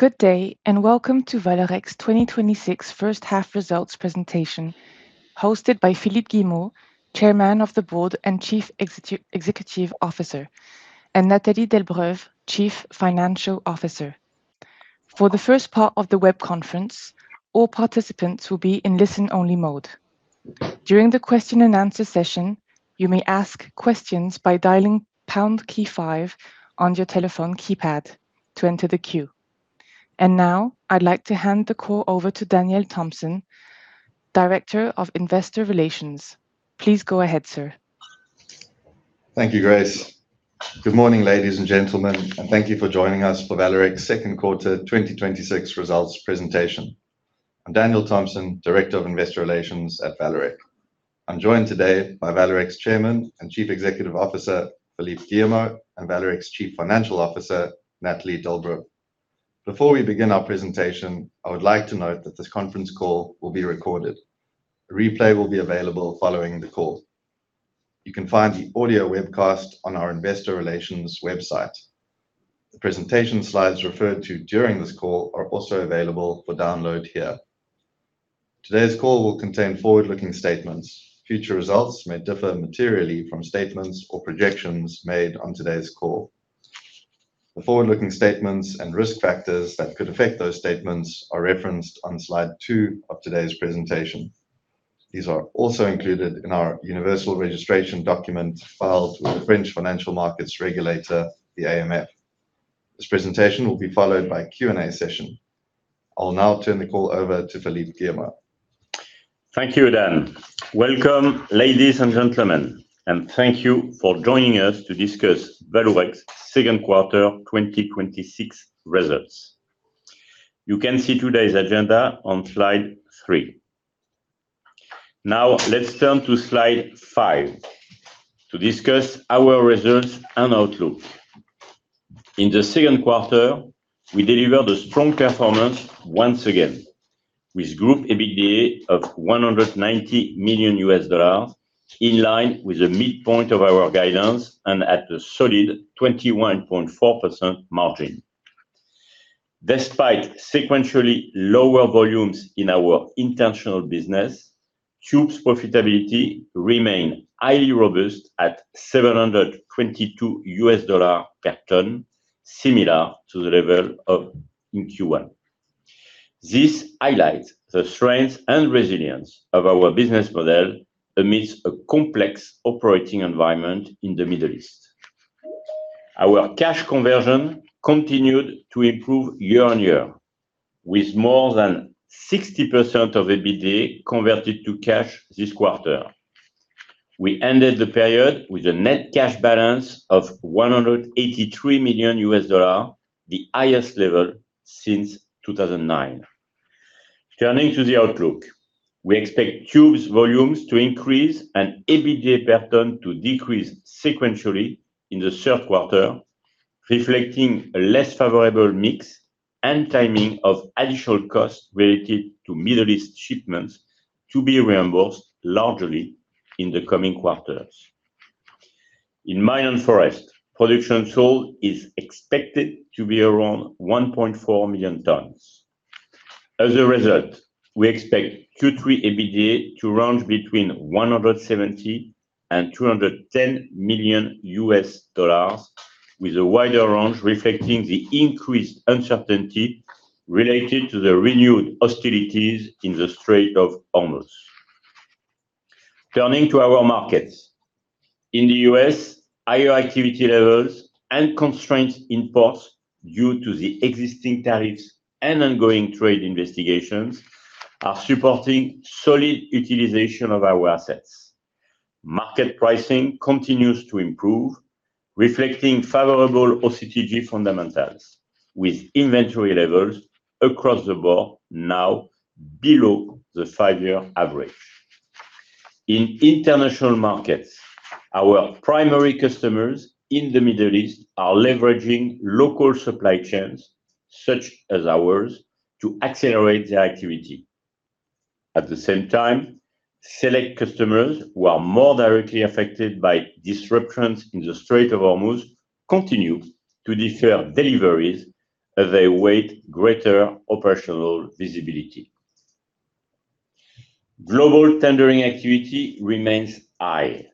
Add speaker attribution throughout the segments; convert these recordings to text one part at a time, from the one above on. Speaker 1: Good day, welcome to Vallourec's 2026 first half results presentation, hosted by Philippe Guillemot, Chairman of the Board and Chief Executive Officer, and Nathalie Delbreuve, Chief Financial Officer. For the first part of the web conference, all participants will be in listen-only mode. During the question-and-answer session, you may ask questions by dialing pound key five on your telephone keypad to enter the queue. Now I'd like to hand the call over to Daniel Thomson, Director of Investor Relations. Please go ahead, sir.
Speaker 2: Thank you, Grace. Good morning, ladies and gentlemen, thank you for joining us for Vallourec's second quarter 2026 results presentation. I'm Daniel Thomson, Director of Investor Relations at Vallourec. I'm joined today by Vallourec's Chairman and Chief Executive Officer, Philippe Guillemot, and Vallourec's Chief Financial Officer, Nathalie Delbreuve. Before we begin our presentation, I would like to note that this conference call will be recorded. A replay will be available following the call. You can find the audio webcast on our investor relations website. The presentation slides referred to during this call are also available for download here. Today's call will contain forward-looking statements. Future results may differ materially from statements or projections made on today's call. The forward-looking statements and risk factors that could affect those statements are referenced on slide two of today's presentation. These are also included in our universal registration document filed with the French financial markets regulator, the AMF. This presentation will be followed by a Q&A session. I'll now turn the call over to Philippe Guillemot.
Speaker 3: Thank you, Dan. Welcome, ladies and gentlemen, thank you for joining us to discuss Vallourec's second quarter 2026 results. You can see today's agenda on slide three. Let's turn to slide five to discuss our results and outlook. In the second quarter, we delivered a strong performance once again, with group EBITDA of $190 million, in line with the midpoint of our guidance and at a solid 21.4% margin. Despite sequentially lower volumes in our international business, Tubes profitability remained highly robust at $722 per ton, similar to the level of in Q1. This highlights the strength and resilience of our business model amidst a complex operating environment in the Middle East. Our cash conversion continued to improve year-on-year. With more than 60% of EBITDA converted to cash this quarter. We ended the period with a net cash balance of $183 million, the highest level since 2009. Turning to the outlook. We expect Tubes volumes to increase and EBITDA per ton to decrease sequentially in the third quarter, reflecting a less favorable mix and timing of additional costs related to Middle East shipments to be reimbursed largely in the coming quarters. In Mine & Forest, production sold is expected to be around 1.4 million tons. As a result, we expect Q3 EBITDA to range between $170 million-$210 million, with a wider range reflecting the increased uncertainty related to the renewed hostilities in the Strait of Hormuz. Turning to our markets. In the U.S., higher activity levels and constrained imports due to the existing tariffs and ongoing trade investigations are supporting solid utilization of our assets. Market pricing continues to improve, reflecting favorable OCTG fundamentals, with inventory levels across the board now below the five-year average. In international markets, our primary customers in the Middle East are leveraging local supply chains, such as ours, to accelerate their activity. At the same time, select customers who are more directly affected by disruptions in the Strait of Hormuz continue to defer deliveries as they await greater operational visibility. Global tendering activity remains high,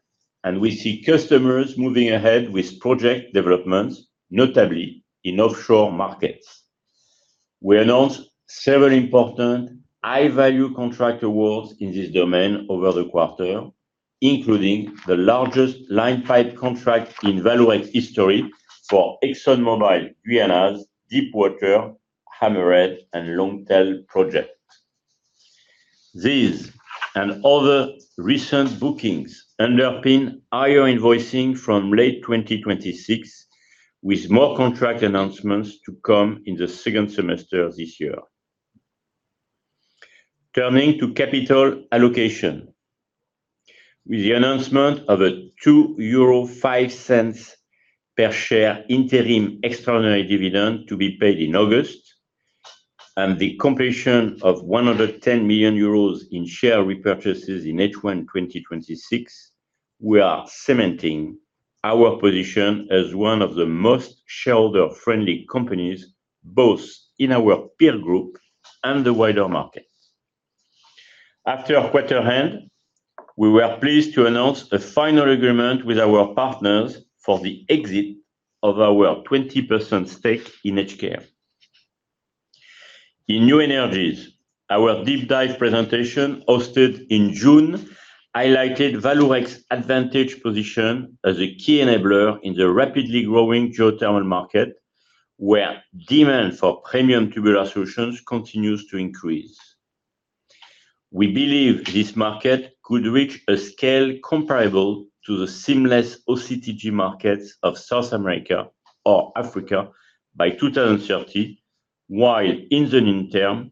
Speaker 3: and we see customers moving ahead with project developments, notably in offshore markets. We announced several important high-value contract awards in this domain over the quarter, including the largest line pipe contract in Vallourec history for ExxonMobil Guyana's Deepwater Hammerhead and Longtail project. These and other recent bookings underpin higher invoicing from late 2026, with more contract announcements to come in the second semester this year. Turning to capital allocation. With the announcement of a €2.05 per share interim extraordinary dividend to be paid in August And the completion of 110 million euros in share repurchases in H1 2026, we are cementing our position as one of the most shareholder-friendly companies, both in our peer group and the wider market. After quarter end, we were pleased to announce a final agreement with our partners for the exit of our 20% stake in HKM. In new energies, our deep dive presentation hosted in June highlighted Vallourec's advantage position as a key enabler in the rapidly growing geothermal market, where demand for premium tubular solutions continues to increase. We believe this market could reach a scale comparable to the seamless OCTG markets of South America or Africa by 2030, while in the interim,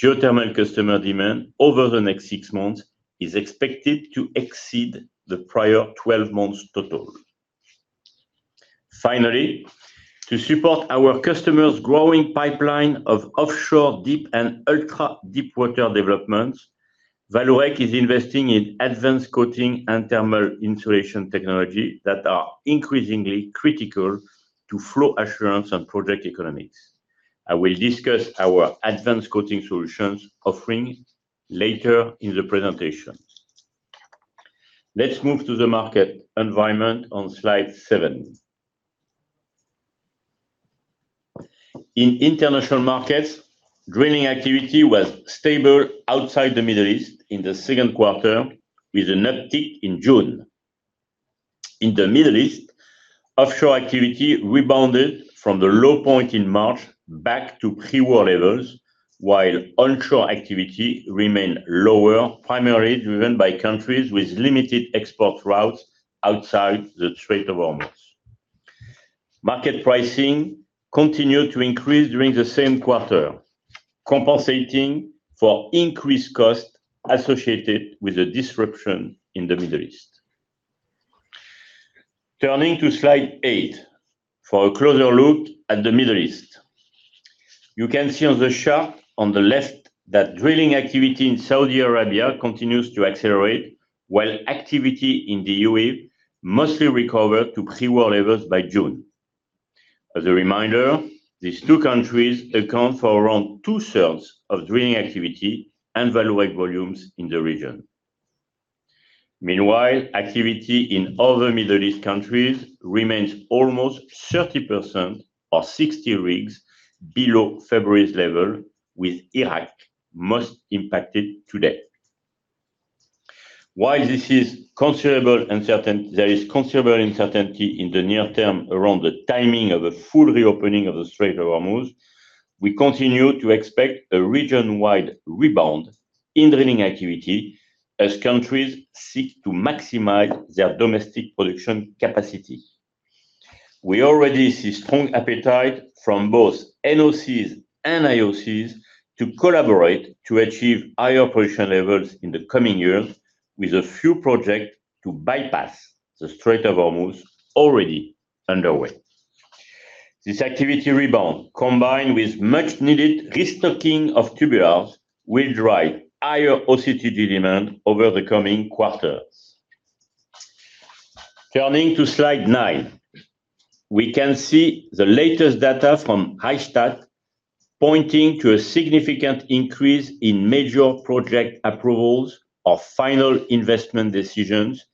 Speaker 3: geothermal customer demand over the next six months is expected to exceed the prior 12 months total. Finally, to support our customers' growing pipeline of offshore deep and ultra-deepwater developments, Vallourec is investing in advanced coating and thermal insulation technology that are increasingly critical to flow assurance and project economics. I will discuss our advanced coating solutions offering later in the presentation. Let's move to the market environment on slide seven. In international markets, drilling activity was stable outside the Middle East in the second quarter, with an uptick in June. In the Middle East, offshore activity rebounded from the low point in March back to pre-war levels, while onshore activity remained lower, primarily driven by countries with limited export routes outside the Strait of Hormuz. Market pricing continued to increase during the same quarter, compensating for increased cost associated with the disruption in the Middle East. Turning to slide eight for a closer look at the Middle East. You can see on the chart on the left that drilling activity in Saudi Arabia continues to accelerate, while activity in the UAE mostly recovered to pre-war levels by June. As a reminder, these two countries account for around two-thirds of drilling activity and Vallourec volumes in the region. Meanwhile, activity in other Middle East countries remains almost 30% or 60 rigs below February's level, with Iraq most impacted to date. While there is considerable uncertainty in the near term around the timing of a full reopening of the Strait of Hormuz, we continue to expect a region-wide rebound in drilling activity as countries seek to maximize their domestic production capacity. We already see strong appetite from both NOCs and IOCs to collaborate to achieve higher production levels in the coming years with a few projects to bypass the Strait of Hormuz already underway. This activity rebound, combined with much-needed restocking of tubulars, will drive higher OCTG demand over the coming quarters. Turning to slide nine, we can see the latest data from Rystad pointing to a significant increase in major project approvals or final investment decisions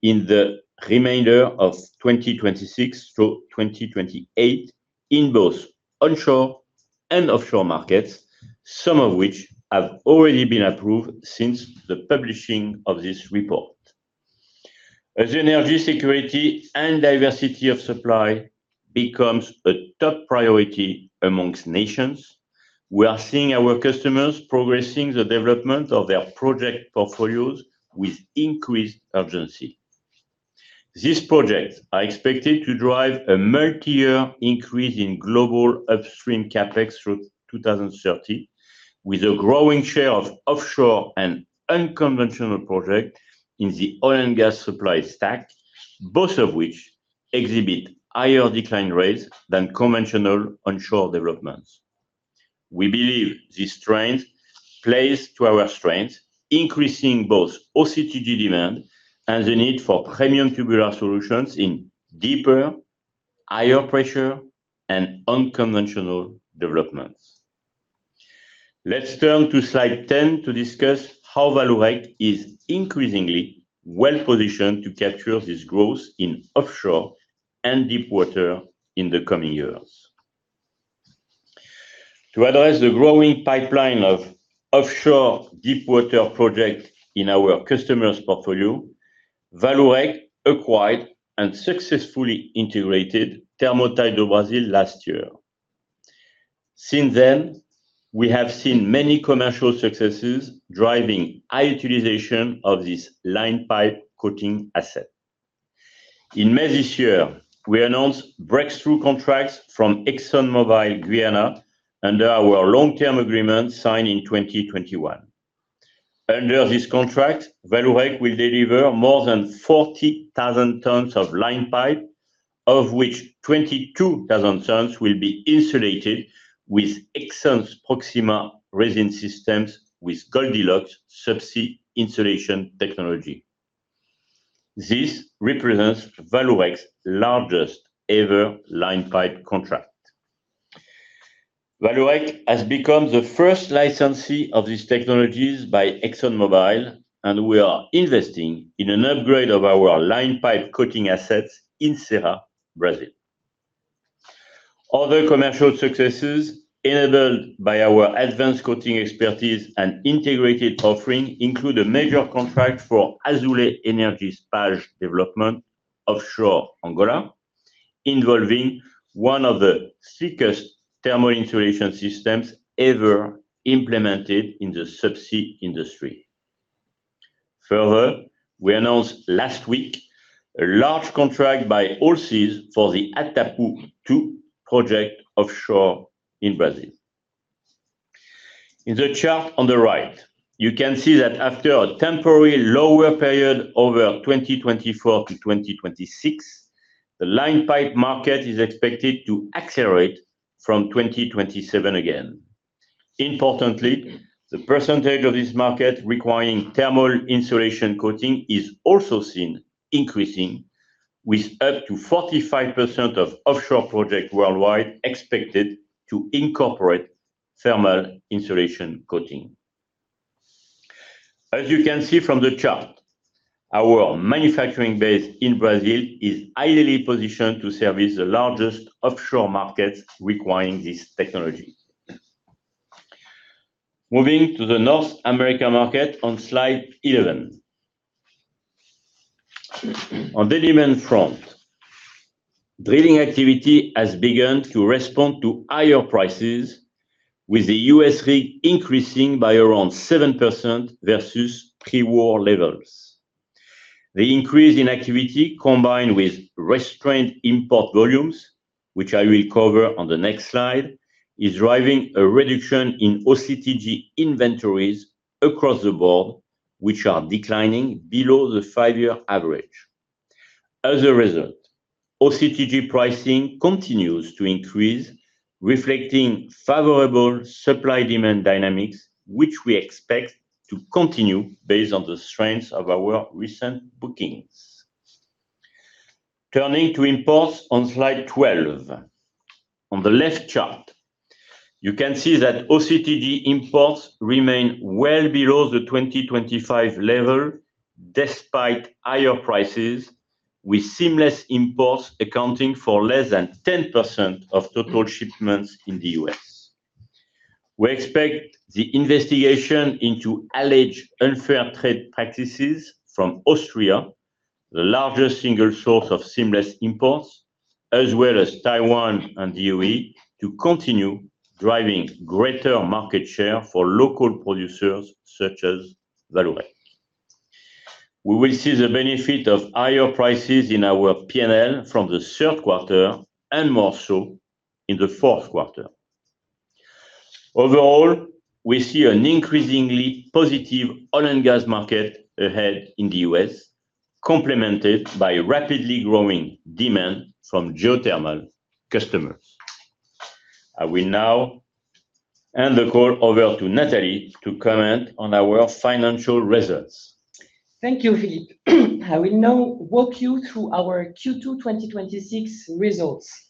Speaker 3: in the remainder of 2026-2028 in both onshore and offshore markets, some of which have already been approved since the publishing of this report. As energy security and diversity of supply becomes a top priority amongst nations, we are seeing our customers progressing the development of their project portfolios with increased urgency. These projects are expected to drive a multi-year increase in global upstream CapEx through 2030, with a growing share of offshore and unconventional projects in the oil and gas supply stack, both of which exhibit higher decline rates than conventional onshore developments. We believe this trend plays to our strength, increasing both OCTG demand and the need for premium tubular solutions in deeper, higher pressure, and unconventional developments. Let's turn to slide 10 to discuss how Vallourec is increasingly well-positioned to capture this growth in offshore and deepwater in the coming years. To address the growing pipeline of offshore deepwater project in our customer's portfolio, Vallourec acquired and successfully integrated Thermotite do Brasil last year. Since then, we have seen many commercial successes driving high utilization of this line pipe coating asset. In May this year, we announced breakthrough contracts from ExxonMobil Guyana under our long-term agreement signed in 2021. Under this contract, Vallourec will deliver more than 40,000 tons of line pipe, of which 22,000 tons will be insulated with Exxon's Proxxima resin systems with GDLX subsea insulation technology. This represents Vallourec's largest ever line pipe contract. Vallourec has become the first licensee of these technologies by ExxonMobil, and we are investing in an upgrade of our line pipe coating assets in Ceará, Brazil. Other commercial successes enabled by our advanced coating expertise and integrated offering include a major contract for Azule Energy's PAJ development offshore Angola, involving one of the thickest thermal insulation systems ever implemented in the subsea industry. We announced last week a large contract by Allseas for the Atapu-2 project offshore in Brazil. In the chart on the right, you can see that after a temporary lower period over 2024-2026, the line pipe market is expected to accelerate from 2027 again. Importantly, the percentage of this market requiring thermal insulation coating is also seen increasing, with up to 45% of offshore projects worldwide expected to incorporate thermal insulation coating. As you can see from the chart, our manufacturing base in Brazil is ideally positioned to service the largest offshore markets requiring this technology. Moving to the North American market on slide 11. On the demand front, drilling activity has begun to respond to higher prices, with the U.S. rig increasing by around 7% versus pre-war levels. The increase in activity, combined with restrained import volumes, which I will cover on the next slide, is driving a reduction in OCTG inventories across the board, which are declining below the five-year average. As a result, OCTG pricing continues to increase, reflecting favorable supply-demand dynamics, which we expect to continue based on the strength of our recent bookings. Turning to imports on slide 12. On the left chart, you can see that OCTG imports remain well below the 2025 level despite higher prices, with seamless imports accounting for less than 10% of total shipments in the U.S. We expect the investigation into alleged unfair trade practices from Austria, the largest single source of seamless imports, as well as Taiwan and the UAE, to continue driving greater market share for local producers such as Vallourec. We will see the benefit of higher prices in our P&L from the third quarter, and more so in the fourth quarter. Overall, we see an increasingly positive oil and gas market ahead in the U.S., complemented by rapidly growing demand from geothermal customers. I will now hand the call over to Nathalie to comment on our financial results.
Speaker 4: Thank you, Philippe. I will now walk you through our Q2 2026 results.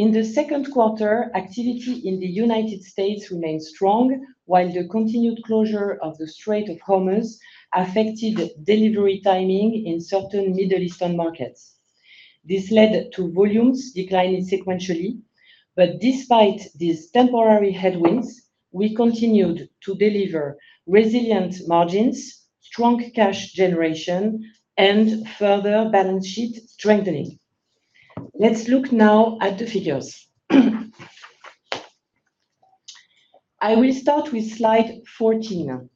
Speaker 4: In the second quarter, activity in the United States remained strong, while the continued closure of the Strait of Hormuz affected delivery timing in certain Middle Eastern markets. This led to volumes declining sequentially. Despite these temporary headwinds, we continued to deliver resilient margins, strong cash generation, and further balance sheet strengthening. Let's look now at the figures. I will start with slide 14.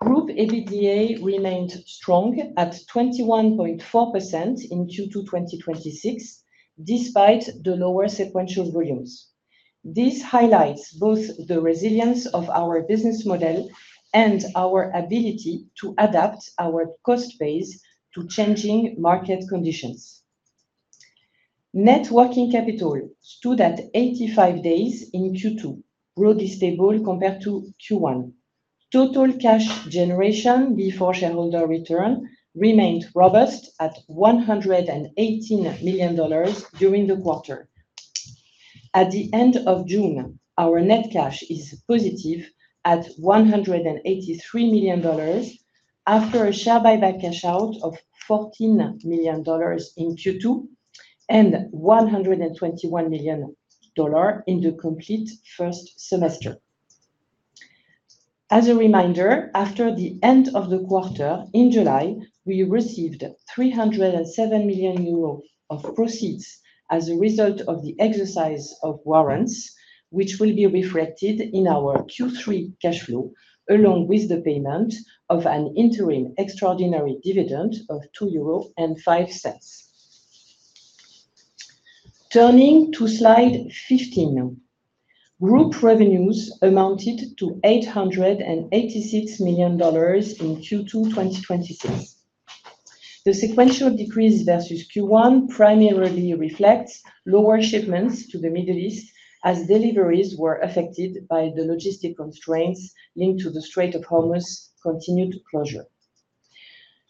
Speaker 4: Group EBITDA remained strong at 21.4% in Q2 2026, despite the lower sequential volumes. This highlights both the resilience of our business model and our ability to adapt our cost base to changing market conditions. Net working capital stood at 85 days in Q2, broadly stable compared to Q1. Total cash generation before shareholder return remained robust at $118 million during the quarter. At the end of June, our net cash is positive at $183 million, after a share buyback cash out of $14 million in Q2, and $121 million in the complete first semester. As a reminder, after the end of the quarter, in July, we received 307 million euros of proceeds as a result of the exercise of warrants, which will be reflected in our Q3 cash flow, along with the payment of an interim extraordinary dividend of 2.05 euros. Turning to slide 15. Group revenues amounted to $886 million in Q2 2026. The sequential decrease versus Q1 primarily reflects lower shipments to the Middle East, as deliveries were affected by the logistic constraints linked to the Strait of Hormuz continued closure.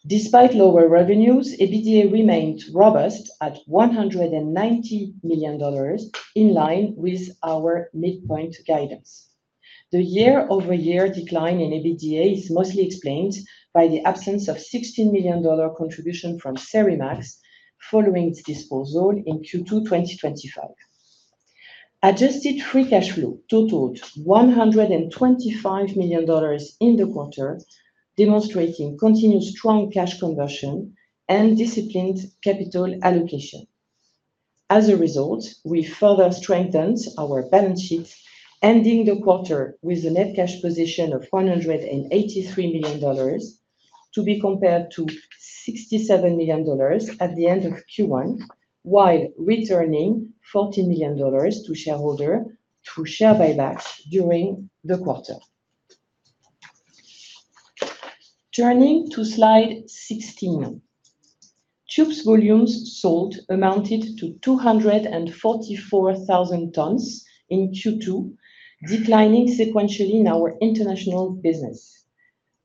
Speaker 4: Despite lower revenues, EBITDA remained robust at $190 million, in line with our midpoint guidance. The year-over-year decline in EBITDA is mostly explained by the absence of $16 million contribution from Serimax following its disposal in Q2 2025. Adjusted free cash flow totaled $125 million in the quarter, demonstrating continued strong cash conversion and disciplined capital allocation. As a result, we further strengthened our balance sheet, ending the quarter with a net cash position of $183 million to be compared to $67 million at the end of Q1, while returning $40 million to shareholder through share buybacks during the quarter. Turning to slide 16. Tubes volumes sold amounted to 244,000 tons in Q2, declining sequentially in our international business.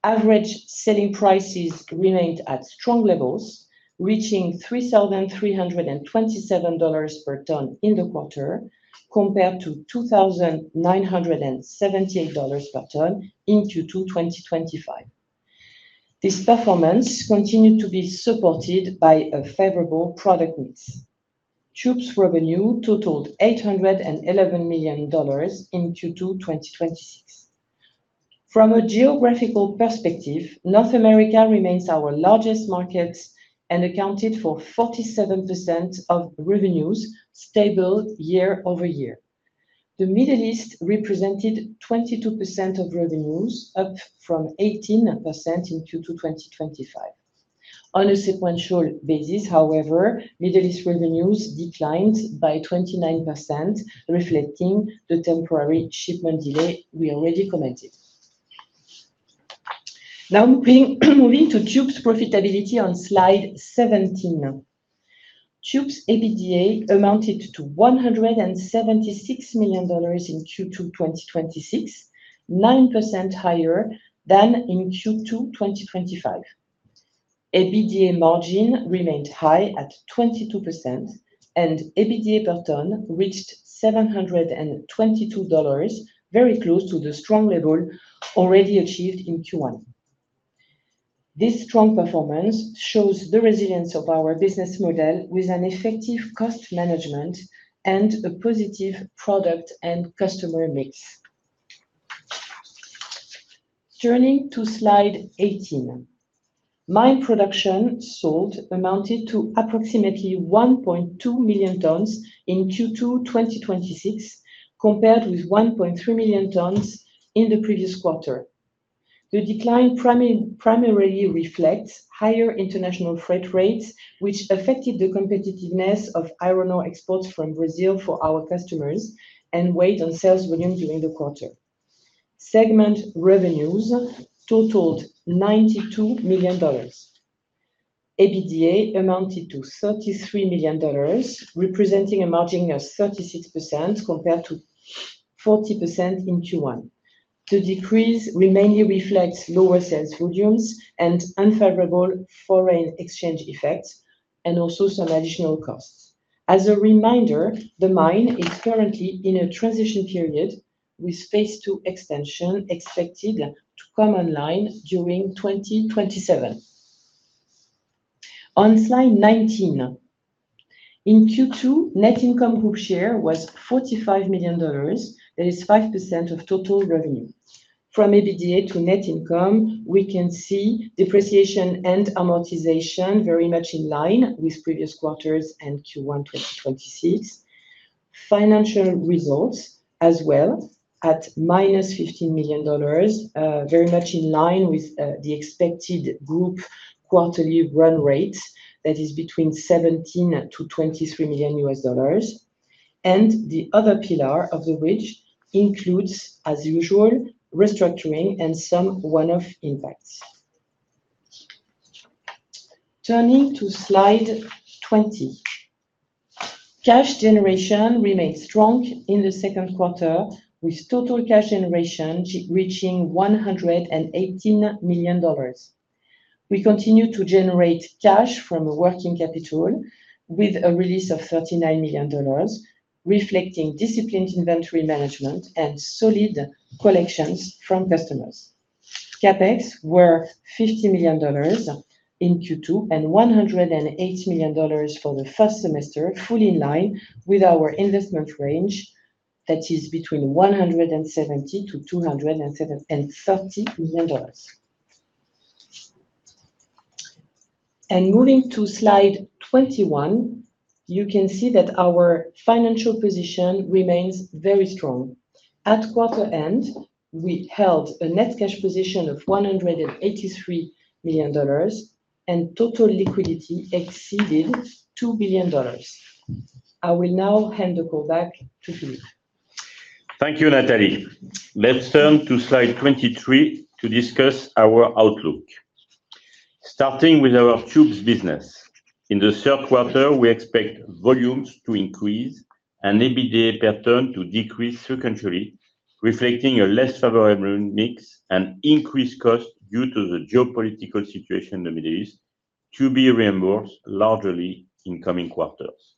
Speaker 4: Average selling prices remained at strong levels, reaching $3,327 per ton in the quarter, compared to $2,978 per ton in Q2 2025. This performance continued to be supported by a favorable product mix. Tubes revenue totaled $811 million in Q2 2026. From a geographical perspective, North America remains our largest market and accounted for 47% of revenues, stable year-over-year. The Middle East represented 22% of revenues, up from 18% in Q2 2025. On a sequential basis, however, Middle East revenues declined by 29%, reflecting the temporary shipment delay we already commented. Now moving to Tubes profitability on slide 17. Tubes EBITDA amounted to $176 million in Q2 2026, 9% higher than in Q2 2025. EBITDA margin remained high at 22%, and EBITDA per ton reached $722, very close to the strong level already achieved in Q1. This strong performance shows the resilience of our business model with an effective cost management and a positive product and customer mix. Turning to slide 18. Mine production sold amounted to approximately 1.2 million t in Q2 2026, compared with 1.3 million tons in the previous quarter. The decline primarily reflects higher international freight rates, which affected the competitiveness of iron ore exports from Brazil for our customers and weighed on sales volume during the quarter. Segment revenues totaled $92 million. EBITDA amounted to $33 million, representing a margin of 36% compared to 40% in Q1. The decrease mainly reflects lower sales volumes and unfavorable foreign exchange effects, and also some additional costs. As a reminder, the mine is currently in a transition period with phase II extension expected to come online during 2027. On slide 19. In Q2, net income group share was $45 million. That is 5% of total revenue. From EBITDA to net income, we can see depreciation and amortization very much in line with previous quarters and Q1 2026. Financial results as well at -$15 million, very much in line with the expected group quarterly run rate that is between $17 million-$23 million. The other pillar of the bridge includes, as usual, restructuring and some one-off impacts. Turning to slide 20. Cash generation remained strong in the second quarter, with total cash generation reaching $118 million. We continue to generate cash from working capital with a release of $39 million, reflecting disciplined inventory management and solid collections from customers. CapEx were $50 million in Q2 and $180 million for the first semester, fully in line with our investment range that is between $170 million -$237 million. Moving to slide 21, you can see that our financial position remains very strong. At quarter end, we held a net cash position of $183 million, and total liquidity exceeded $2 billion. I will now hand the call back to Philippe.
Speaker 3: Thank you, Nathalie. Let's turn to slide 23 to discuss our outlook. Starting with our Tubes business. In the third quarter, we expect volumes to increase and EBITDA per ton to decrease sequentially, reflecting a less favorable mix and increased cost due to the geopolitical situation in the Middle East to be reimbursed largely in coming quarters.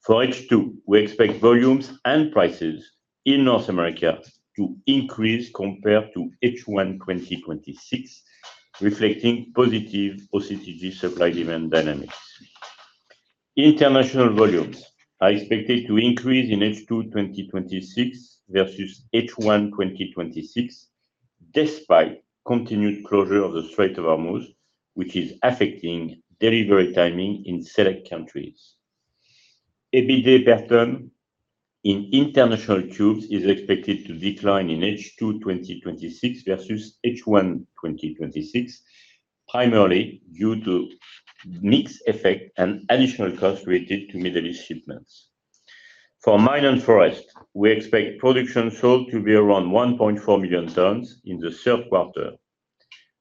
Speaker 3: For H2, we expect volumes and prices in North America to increase compared to H1 2026, reflecting positive OCTG supply-demand dynamics. International volumes are expected to increase in H2 2026 versus H1 2026, despite continued closure of the Strait of Hormuz, which is affecting delivery timing in select countries. EBITDA per ton in international tubes is expected to decline in H2 2026 versus H1 2026, primarily due to mix effect and additional costs related to Middle East shipments. For Mine & Forest, we expect production sold to be around 1.4 million tons in the third quarter.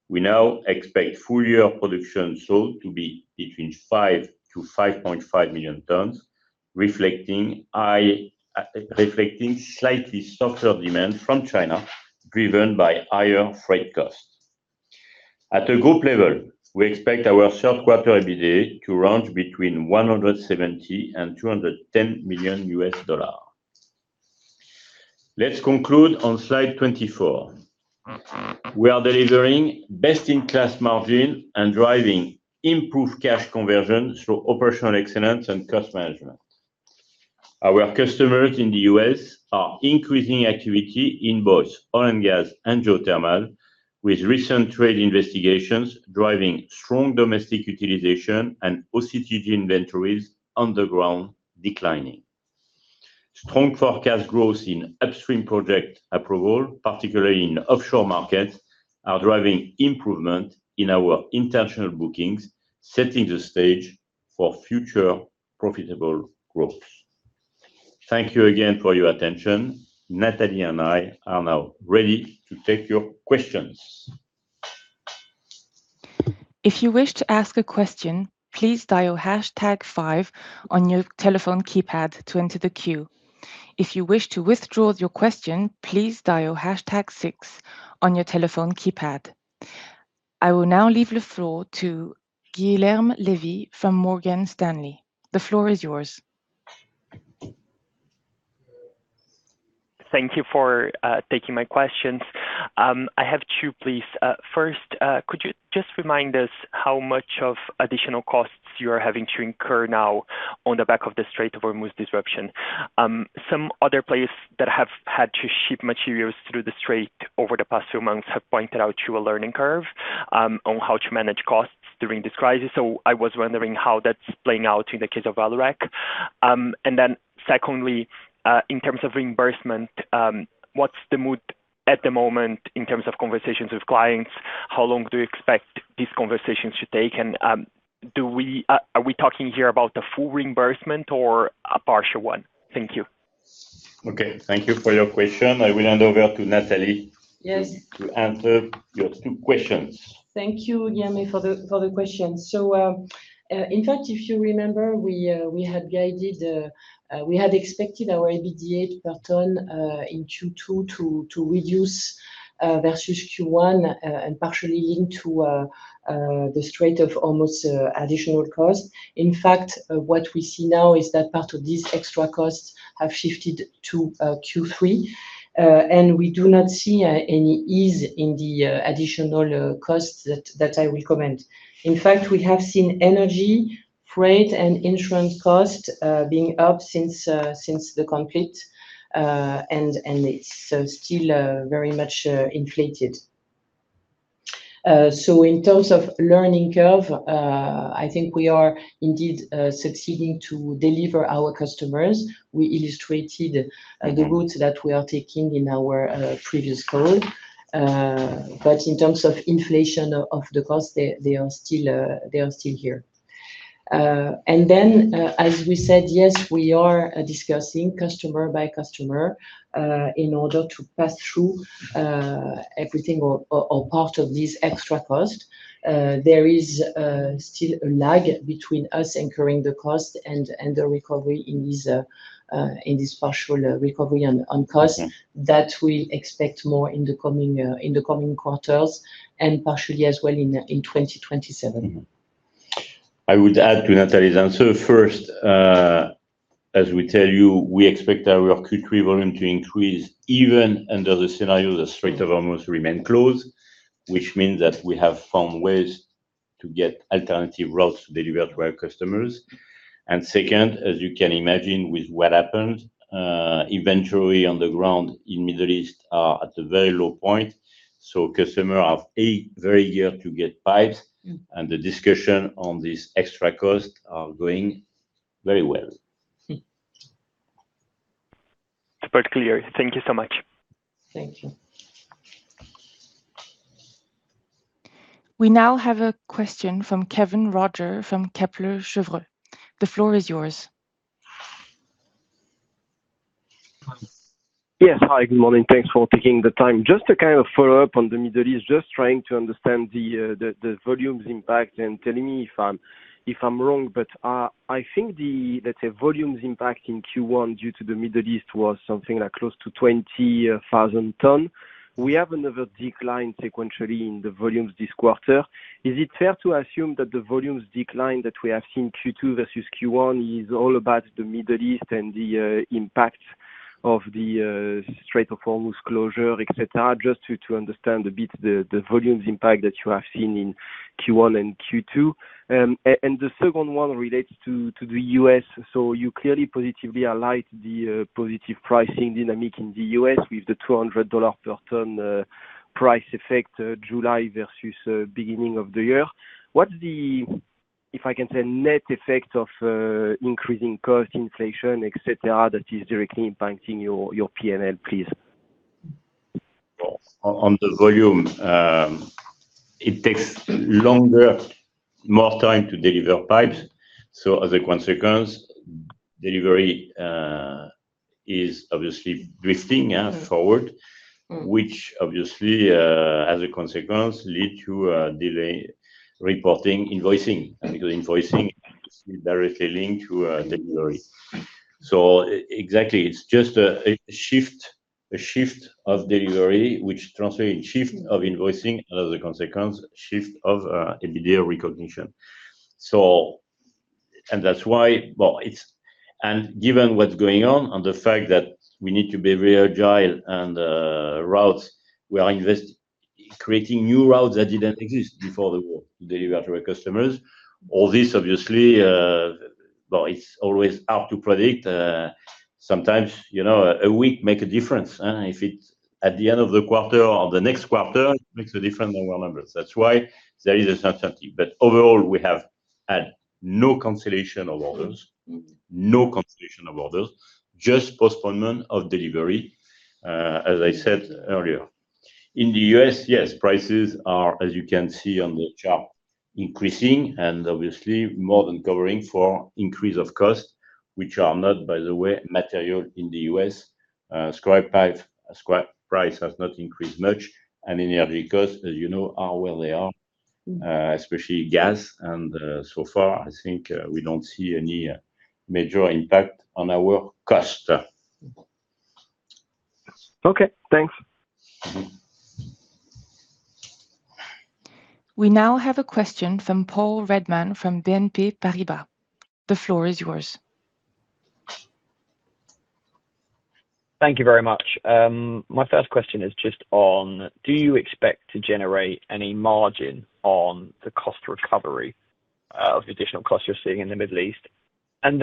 Speaker 3: We now expect full-year production sold to be between 5 million-5.5 million tons, reflecting slightly softer demand from China, driven by higher freight costs. At a group level, we expect our third quarter EBITDA to range between $170 million-$210 million U.S. dollars. Let's conclude on slide 24. We are delivering best-in-class margin and driving improved cash conversion through operational excellence and cost management. Our customers in the U.S. are increasing activity in both oil and gas and geothermal, with recent trade investigations driving strong domestic utilization and OCTG inventories underground declining. Strong forecast growth in upstream project approval, particularly in offshore markets, are driving improvement in our international bookings, setting the stage for future profitable growth. Thank you again for your attention. Nathalie and I are now ready to take your questions.
Speaker 1: If you wish to ask a question, please dial hashtag five on your telephone keypad to enter the queue. If you wish to withdraw your question, please dial hashtag six on your telephone keypad. I will now leave the floor to Guilherme Levy from Morgan Stanley. The floor is yours.
Speaker 5: Thank you for taking my questions. I have two, please. First, could you just remind us how much of additional costs you are having to incur now on the back of the Strait of Hormuz disruption? Some other players that have had to ship materials through the strait over the past few months have pointed out to a learning curve on how to manage costs during this crisis. I was wondering how that's playing out in the case of Vallourec. Secondly, in terms of reimbursement, what's the mood at the moment in terms of conversations with clients? How long do you expect these conversations to take? Are we talking here about the full reimbursement or a partial one? Thank you.
Speaker 3: Okay. Thank you for your question. I will hand over to Nathalie-
Speaker 4: Yes
Speaker 3: to answer your two questions.
Speaker 4: Thank you, Guilherme, for the question. In fact, if you remember, we had expected our EBITDA per ton in Q2 to reduce versus Q1, partially linked to the Strait of Hormuz additional cost. In fact, what we see now is that part of these extra costs have shifted to Q3. We do not see any ease in the additional costs that I will comment. In fact, we have seen energy, freight, and insurance costs being up since the conflict, and it's still very much inflated. In terms of learning curve, I think we are indeed succeeding to deliver our customers. We illustrated the route that we are taking in our previous call. In terms of inflation of the cost, they are still here. As we said, yes, we are discussing customer by customer, in order to pass through everything or part of this extra cost. There is still a lag between us incurring the cost and the recovery in this partial recovery on cost that we expect more in the coming quarters, and partially as well in 2027.
Speaker 3: I would add to Nathalie's answer. First, as we tell you, we expect our Q3 volume to increase even under the scenario the Strait of Hormuz remain closed, which means that we have found ways to get alternative routes to deliver to our customers. Second, as you can imagine with what happened, eventually on the ground in Middle East are at a very low point. Customers are very eager to get pipes. The discussion on this extra cost are going very well.
Speaker 5: Super clear. Thank you so much.
Speaker 3: Thank you.
Speaker 1: We now have a question from Kevin Roger from Kepler Cheuvreux. The floor is yours.
Speaker 6: Yes. Hi, good morning. Thanks for taking the time. Just to follow up on the Middle East, just trying to understand the volumes impact and telling me if I'm wrong, but I think that the volumes impact in Q1 due to the Middle East was something close to 20,000 t. We have another decline sequentially in the volumes this quarter. Is it fair to assume that the volumes decline that we have seen Q2 versus Q1 is all about the Middle East and the impact of the Strait of Hormuz closure, et cetera? Just to understand a bit the volumes impact that you have seen in Q1 and Q2. The second one related to the U.S. You clearly positively highlight the positive pricing dynamic in the U.S. with the $200 per ton price effect July versus beginning of the year. What's the, if I can say, net effect of increasing cost inflation, et cetera, that is directly impacting your P&L, please?
Speaker 3: On the volume, it takes longer, more time to deliver pipes. As a consequence, delivery is obviously drifting forward, which obviously as a consequence, lead to a delay reporting invoicing, because invoicing is directly linked to delivery. Exactly, it's just a shift of delivery which translate in shift of invoicing. As a consequence, shift of EBITDA recognition. Given what's going on and the fact that we need to be very agile and we are creating new routes that didn't exist before the war to deliver to our customers, all this obviously, it's always hard to predict. Sometimes, a week make a difference. If it's at the end of the quarter or the next quarter, it makes a difference on our numbers. That's why there is uncertainty. Overall, we have had no cancellation of orders. No cancellation of orders, just postponement of delivery, as I said earlier. In the U.S., yes, prices are, as you can see on the chart, increasing and obviously more than covering for increase of cost, which are not, by the way, material in the U.S. Scrap price has not increased much, and energy costs, as you know, are where they are, especially gas, and so far I think we don't see any major impact on our cost.
Speaker 6: Okay, thanks.
Speaker 1: We now have a question from Paul Redman from BNP Paribas. The floor is yours.
Speaker 7: Thank you very much. My first question is just on, do you expect to generate any margin on the cost recovery of additional costs you're seeing in the Middle East? In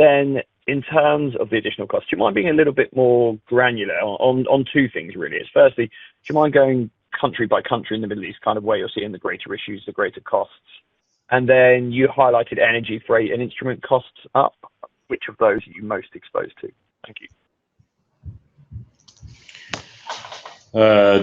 Speaker 7: terms of the additional cost, do you mind being a little bit more granular on two things really? Firstly, do you mind going country by country in the Middle East, kind of where you're seeing the greater issues, the greater costs? You highlighted energy freight and instrument costs up. Which of those are you most exposed to? Thank you.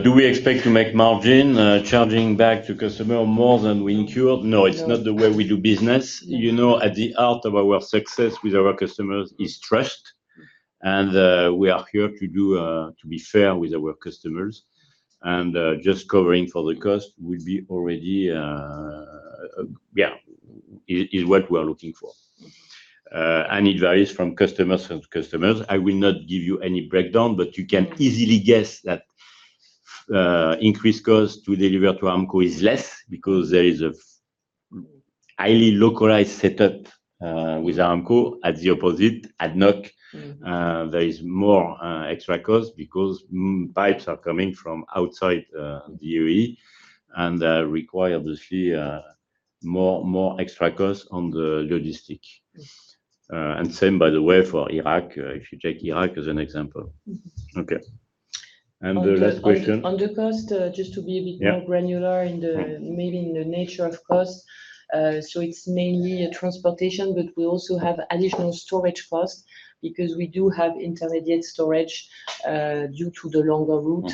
Speaker 3: Do we expect to make margin, charging back to customer more than we incurred? No, it's not the way we do business. At the heart of our success with our customers is trust, we are here to be fair with our customers, and just covering for the cost is what we are looking for. It varies from customers to customers. I will not give you any breakdown, but you can easily guess that increased cost to deliver to Aramco is less because there is a highly localized set up with Aramco. As the opposite, ADNOC, there is more extra cost because pipes are coming from outside the U.A.E. and require, obviously, more extra cost on the logistic. Same, by the way, for Iraq, if you take Iraq as an example. Okay. The last question?
Speaker 4: On the cost, just to be a bit more granular maybe in the nature of cost. It's mainly transportation, but we also have additional storage costs because we do have intermediate storage due to the longer route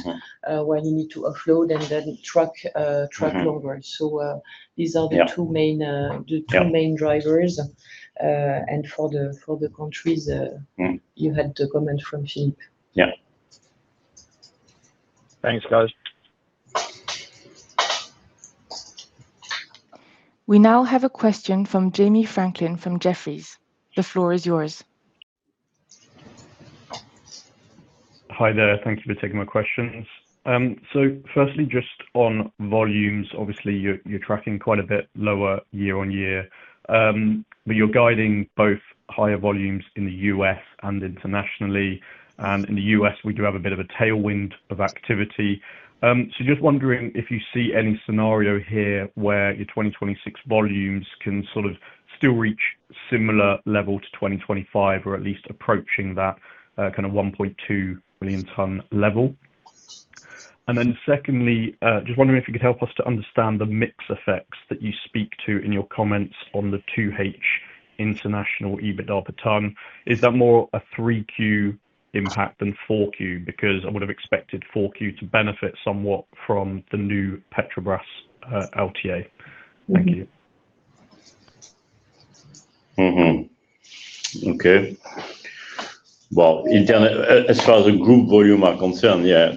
Speaker 4: where you need to offload and then truck longer. These are the two main drivers. For the countries, you had the comment from Philippe.
Speaker 3: Yeah.
Speaker 7: Thanks, guys.
Speaker 1: We now have a question from Jamie Franklin from Jefferies. The floor is yours.
Speaker 8: Hi there. Thank you for taking my questions. Firstly, just on volumes, obviously you are tracking quite a bit lower year-over-year. But you are guiding both higher volumes in the U.S. and internationally. In the U.S., we do have a bit of a tailwind of activity. Just wondering if you see any scenario here where your 2026 volumes can still reach similar level to 2025, or at least approaching that kind of 1.2 million t level? Secondly, just wondering if you could help us to understand the mix effects that you speak to in your comments on the 2H international EBITDA per ton. Is that more a 3Q impact than 4Q? Because I would have expected 4Q to benefit somewhat from the new Petrobras LTA. Thank you.
Speaker 3: Okay. Well, as far as the group volumes are concerned, yeah.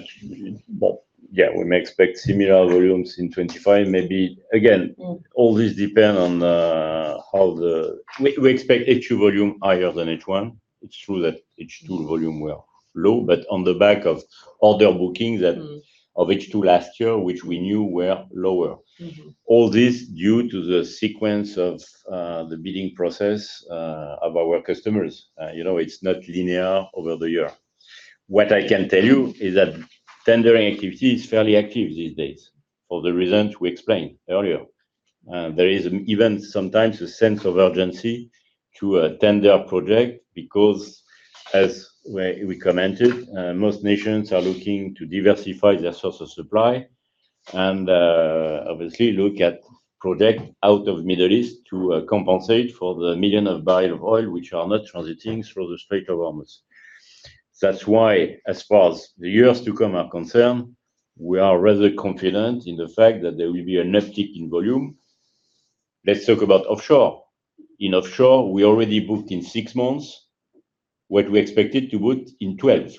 Speaker 3: We may expect similar volumes in 2025, maybe. Again, all this depends on how the. We expect H2 volumes higher than H1. It's true that H2 volumes were low, but on the back of order bookings of H2 last year, which we knew were lower. All this due to the sequence of the bidding process of our customers. It's not linear over the year. What I can tell you is that tendering activity is fairly active these days, for the reasons we explained earlier. There is even sometimes a sense of urgency to a tender project because, as we commented, most nations are looking to diversify their source of supply and, obviously look at project out of Middle East to compensate for the million of barrel of oil, which are not transiting through the Strait of Hormuz. That's why, as far as the years to come are concerned, we are rather confident in the fact that there will be an uptick in volume. Let's talk about offshore. In offshore, we already booked in six months what we expected to book in 12.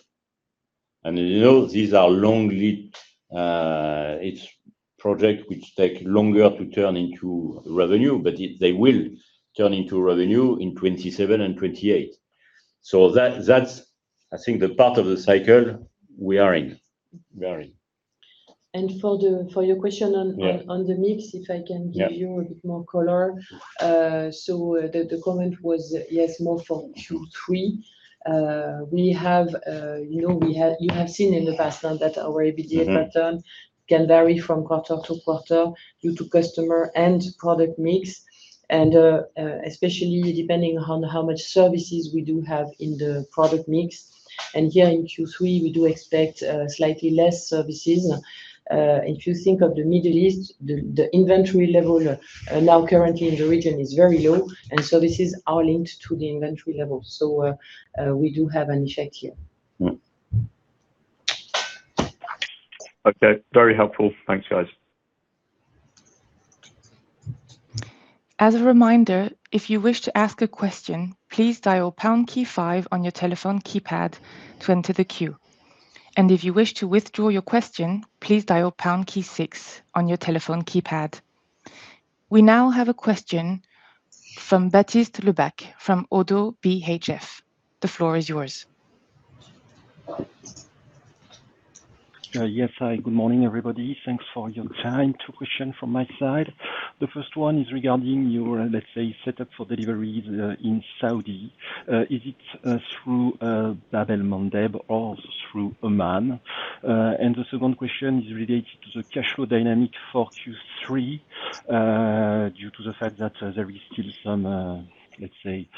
Speaker 3: These are long lead, each project which take longer to turn into revenue. They will turn into revenue in 2027 and 2028. That's, I think, the part of the cycle we are in.
Speaker 4: For your question on the mix, if I can give you a bit more color.
Speaker 3: Yeah.
Speaker 4: The comment was, yes, more for Q3. You have seen in the past now that our EBITDA pattern can vary from quarter to quarter due to customer and product mix, and especially depending on how much services we do have in the product mix. Here in Q3, we do expect slightly less services. If you think of the Middle East, the inventory level now currently in the region is very low. This is all linked to the inventory level. We do have an effect here.
Speaker 8: Okay. Very helpful. Thanks, guys.
Speaker 1: As a reminder, if you wish to ask a question, please dial pound key five on your telephone keypad to enter the queue. If you wish to withdraw your question, please dial pound key six on your telephone keypad. We now have a question from Baptiste Lebacq from Oddo BHF. The floor is yours.
Speaker 9: Yes. Hi. Good morning, everybody. Thanks for your time. Two question from my side. The first one is regarding your, let's say, set up for deliveries in Saudi. Is it through Bab-el-Mandeb or through Oman? The second question is related to the cash flow dynamic for Q3 due to the fact that there is still some, let's say,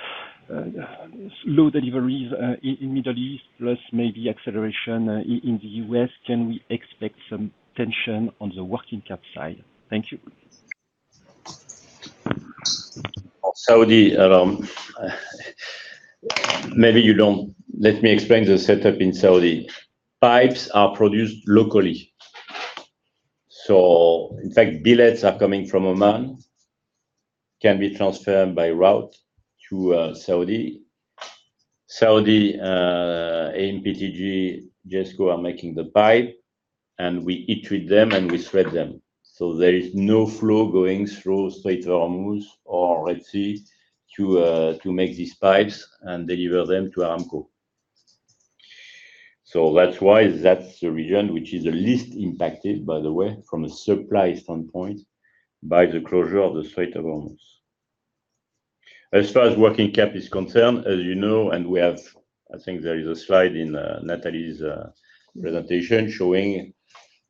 Speaker 9: low deliveries in Middle East, plus maybe acceleration in the U.S. Can we expect some tension on the working cap side? Thank you.
Speaker 3: Saudi, let me explain the setup in Saudi. Pipes are produced locally. In fact, billets are coming from Oman, can be transferred by route to Saudi. Saudi, AMTPJ, JESCO are making the pipe, and we heat treat them, and we thread them. There is no flow going through Strait of Hormuz or Red Sea to make these pipes and deliver them to Aramco. That's why that's the region which is the least impacted, by the way, from a supply standpoint, by the closure of the Strait of Hormuz. As far as working cap is concerned, as you know, and we have, I think there is a slide in Nathalie's presentation showing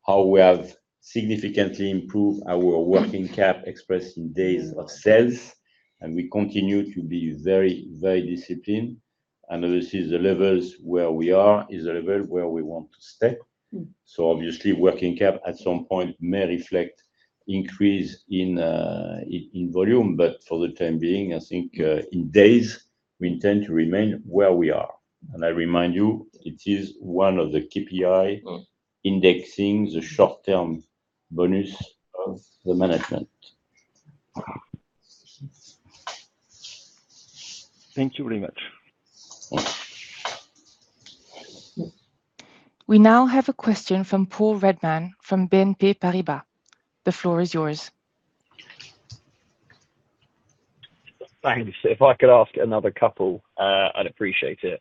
Speaker 3: how we have significantly improved our working cap expressed in days of sales. We continue to be very disciplined. This is the levels where we are, is the level where we want to stay. Obviously, working cap at some point may reflect increase in volume, but for the time being, I think, in days, we intend to remain where we are. I remind you, it is one of the KPI indexing the short-term bonus of the management.
Speaker 9: Thank you very much.
Speaker 3: Yeah.
Speaker 1: We now have a question from Paul Redman from BNP Paribas. The floor is yours.
Speaker 7: Thanks. If I could ask another couple, I'd appreciate it.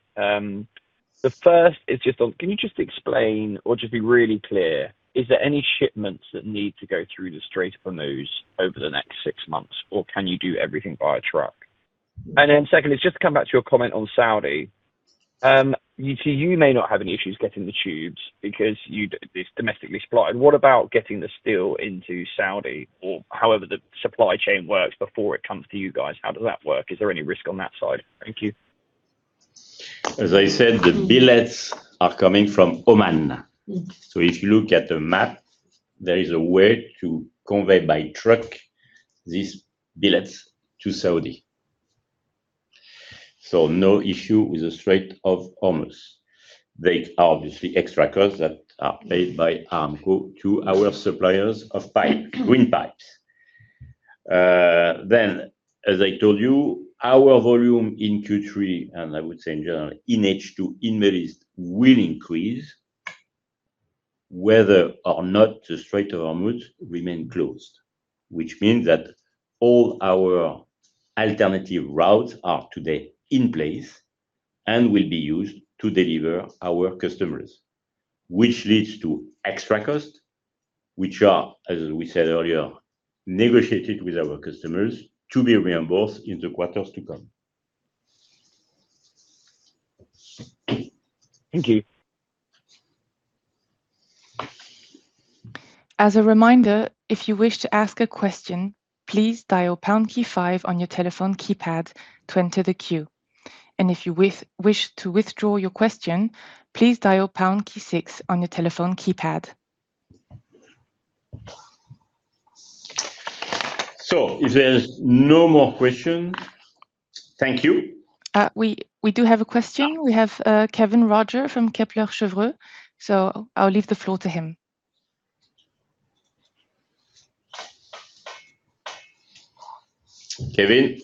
Speaker 7: The first is just on, can you just explain or just be really clear, is there any shipments that need to go through the Strait of Hormuz over the next six months, or can you do everything by truck? Secondly, just to come back to your comment on Saudi. You may not have any issues getting the Tubes because it's domestically supplied. What about getting the steel into Saudi? Or however the supply chain works before it comes to you guys, how does that work? Is there any risk on that side? Thank you.
Speaker 3: As I said, the billets are coming from Oman. If you look at the map, there is a way to convey by truck these billets to Saudi. No issue with the Strait of Hormuz. There is obviously extra costs that are paid by Aramco to our suppliers of green pipes. As I told you, our volume in Q3, and I would say in general, in H2 in Middle East will increase whether or not the Strait of Hormuz remain closed, which means that all our alternative routes are today in place and will be used to deliver our customers, which leads to extra cost, which are, as we said earlier, negotiated with our customers to be reimbursed in the quarters to come.
Speaker 7: Thank you.
Speaker 1: As a reminder, if you wish to ask a question, please dial pound key five on your telephone keypad to enter the queue. If you wish to withdraw your question, please dial pound key six on your telephone keypad.
Speaker 3: If there's no more question, thank you.
Speaker 1: We do have a question. We have Kevin Roger from Kepler Cheuvreux. I'll leave the floor to him.
Speaker 3: Kevin,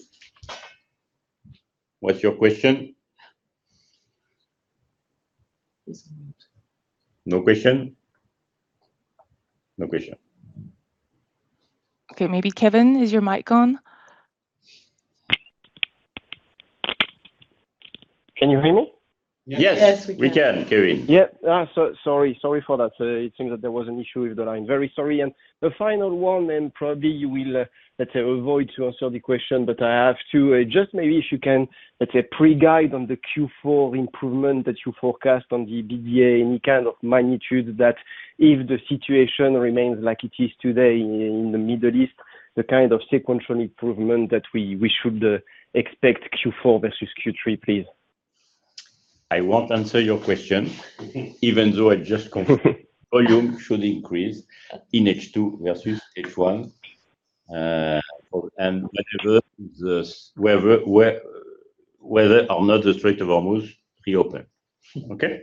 Speaker 3: what's your question? No question? No question.
Speaker 1: Okay. Maybe Kevin, is your mic on?
Speaker 6: Can you hear me?
Speaker 3: Yes.
Speaker 1: Yes, we can.
Speaker 3: We can, Kevin.
Speaker 6: Yeah. Sorry for that. It seems that there was an issue with the line. Very sorry. The final one, and probably you will, let's say, avoid to answer the question, but I have to. Just maybe if you can, let's say, pre-guide on the Q4 improvement that you forecast on the EBITDA, any kind of magnitude that if the situation remains like it is today in the Middle East, the kind of sequential improvement that we should expect Q4 versus Q3, please.
Speaker 3: I won't answer your question, even though I just confirmed volume should increase in H2 versus H1, and whether or not the Strait of Hormuz reopen. Okay.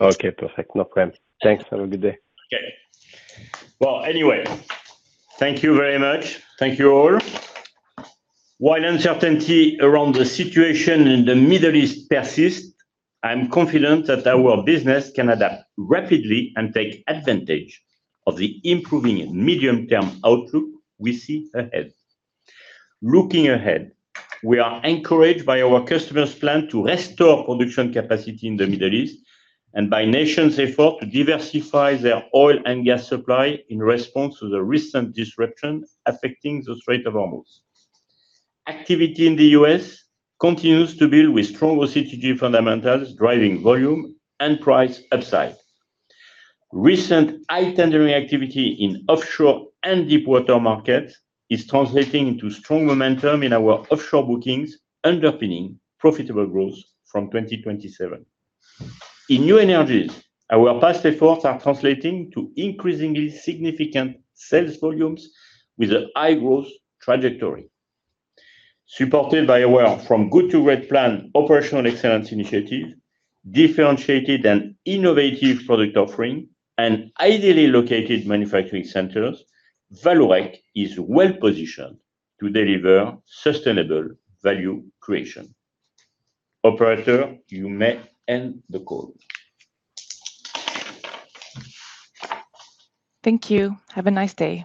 Speaker 6: Okay, perfect. No problem. Thanks. Have a good day.
Speaker 3: Okay. Well, anyway, thank you very much. Thank you all. While uncertainty around the situation in the Middle East persists, I am confident that our business can adapt rapidly and take advantage of the improving medium-term outlook we see ahead. Looking ahead, we are encouraged by our customers' plan to restore production capacity in the Middle East and by nations' effort to diversify their oil and gas supply in response to the recent disruption affecting the Strait of Hormuz. Activity in the U.S. continues to build with strong OCTG fundamentals driving volume and price upside. Recent high tendering activity in offshore and deepwater markets is translating into strong momentum in our offshore bookings, underpinning profitable growth from 2027. In new energies, our past efforts are translating to increasingly significant sales volumes with a high-growth trajectory. Supported by our From Good to Great plan operational excellence initiative, differentiated and innovative product offering, and ideally located manufacturing centers, Vallourec is well-positioned to deliver sustainable value creation. Operator, you may end the call.
Speaker 1: Thank you. Have a nice day.